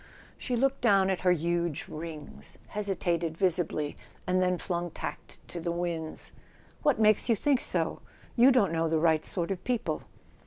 She looked down at her huge rings, hesitated visibly, and then flung tact to the winds. "What makes you think so ? You don't know the right sort of people."